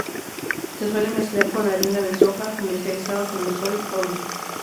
Se suele mezclar con harina de soja, comercializado como "soy-ogi".